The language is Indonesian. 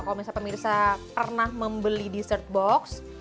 kalau misalnya pemirsa pernah membeli dessert box